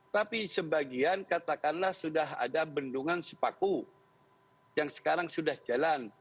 tapi sebagian katakanlah sudah ada bendungan sepaku yang sekarang sudah jalan